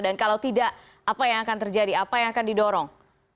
kalau tidak apa yang akan terjadi apa yang akan didorong